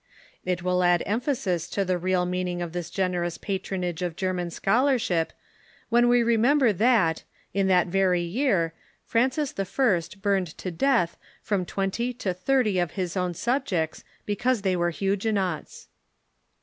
It will add emphasis to the real meaning of this generous patronage of German scholarship when we remember that, in that very year, Francis I. burned to death from twenty to thirty of his own subjects, because they were Huguenots.